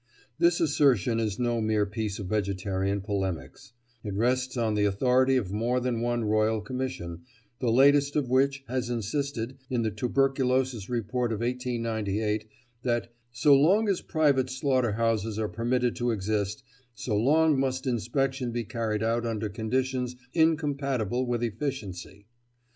This assertion is no mere piece of vegetarian polemics; it rests on the authority of more than one Royal Commission, the latest of which has insisted, in the Tuberculosis Report of 1898, that "so long as private slaughter houses are permitted to exist, so long must inspection be carried out under conditions incompatible with efficiency."